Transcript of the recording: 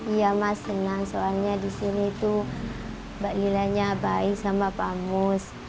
iya emang senang soalnya di sini tuh mbak lilanya baik sama pak amus